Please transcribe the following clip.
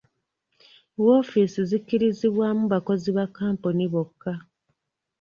Woofiisi zikkirizibwamu bakozi ba kkampuni bokka.